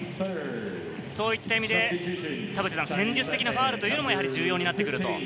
そういった意味で戦術的なファウルというのも重要になってくると。